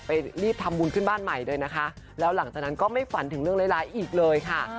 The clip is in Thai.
รีบทำบุญขึ้นบ้านใหม่เลยนะคะแล้วหลังจากนั้นก็ไม่ฝันถึงเรื่องร้ายอีกเลยค่ะ